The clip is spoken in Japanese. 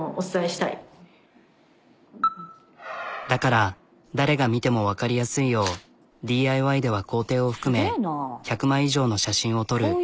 だから誰が見てもわかりやすいようＤＩＹでは工程を含め１００枚以上の写真を撮る。